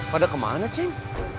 pada kemana ceng